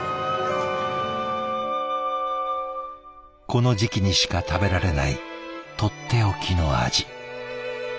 この時期にしか食べられないとっておきの味。